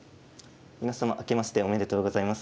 皆様明けましておめでとうございます。